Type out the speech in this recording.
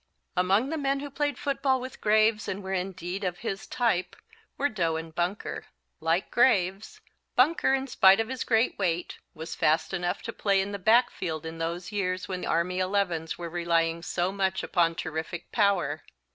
Among the men who played football with Graves and were indeed of his type, were Doe and Bunker. Like Graves, Bunker in spite of his great weight, was fast enough to play in the backfield in those years when Army elevens were relying so much upon terrific power.